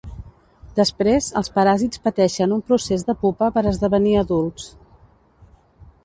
Després els paràsits pateixen un procés de pupa per esdevenir adults.